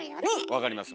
分かります